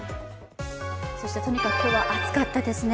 そしてとにかく今日は暑かったですね